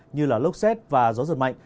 như là lốc xét và gió giật mạnh